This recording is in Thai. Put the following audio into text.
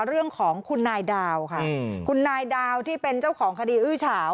เรื่องของคุณนายดาวค่ะคุณนายดาวที่เป็นเจ้าของคดีอื้อเฉา